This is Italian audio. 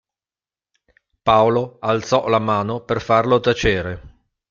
Paolo alzò la mano per farlo tacere.